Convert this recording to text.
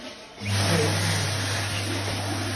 ไทยออยล์